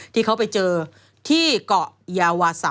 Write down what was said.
ที่เขาไปเจอที่เกาะยาวาสะ